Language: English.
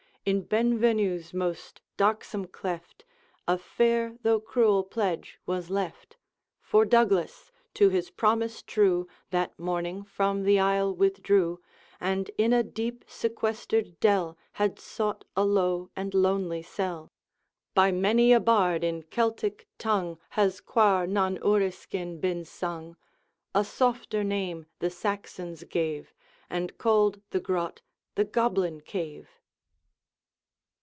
In Benvenue's most darksome cleft, A fair though cruel pledge was left; For Douglas, to his promise true, That morning from the isle withdrew, And in a deep sequestered dell Had sought a low and lonely cell. By many a bard in Celtic tongue Has Coir nan Uriskin been sung A softer name the Saxons gave, And called the grot the Goblin Cave.